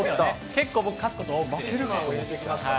結構、僕、勝つことが多くてですね。